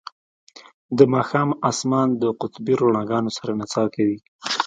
د ماښام اسمان د قطبي رڼاګانو سره نڅا کوي